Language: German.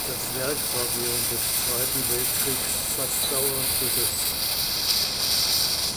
Das Werk war während des Zweiten Weltkriegs fast dauernd besetzt.